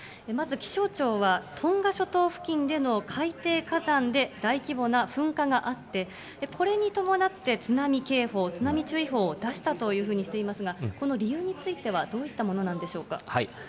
まず気象庁は、トンガ諸島付近での海底火山で大規模な噴火があって、これに伴って、津波警報、津波注意報を出したというふうにしていますが、この理由については、どういったものなんでしょうか。